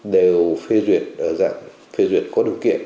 đều phê duyệt dạng phê duyệt có điều kiện